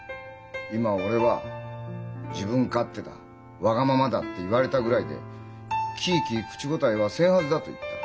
今俺は「自分勝手だわがままだって言われたぐらいでキーキー口答えはせんはずだ」と言った。